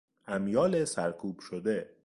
امیال سرکوب شده